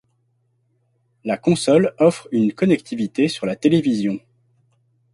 La console offre une connectivité sur la télévision.